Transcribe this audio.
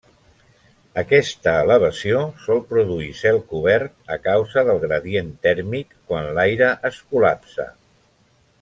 Aquesta elevació sol produir cel cobert, a causa del gradient tèrmic quan l'aire es col·lapsa.